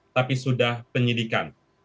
tapi sudah penyelidikan